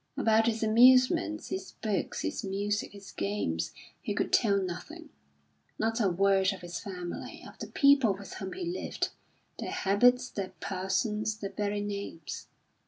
About his amusements, his books, his music, his games, he could tell nothing. Not a word of his family, of the people with whom he lived, their habits, their persons, their very names.